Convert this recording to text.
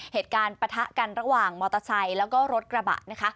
ปะทะกันระหว่างมอเตอร์ไซค์แล้วก็รถกระบะนะคะ